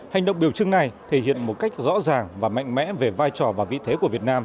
hành động biểu trưng này thể hiện một cách rõ ràng và mạnh mẽ về vai trò và vị thế của việt nam